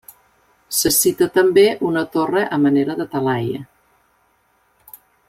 Se cita també una torre a manera de talaia.